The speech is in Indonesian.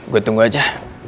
gue tunggu aja